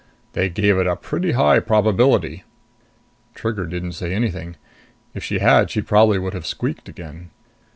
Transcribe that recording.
They give it a pretty high probability." Trigger didn't say anything. If she had, she probably would have squeaked again.